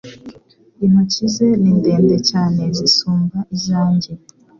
intoki ze ni ndende cyane zisumba izange